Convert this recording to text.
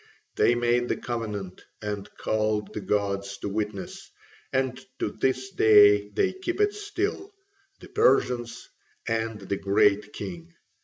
They made the covenant and called the gods to witness, and to this day they keep it still, the Persians and the Great King.